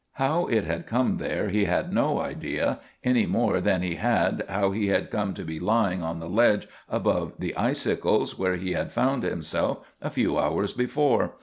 How it had come there he had no idea, any more than he had how he had come to be lying on the ledge above the icicles where he had found himself a few hours before.